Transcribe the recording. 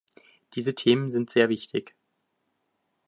Diese Themen sind sehr wichtig.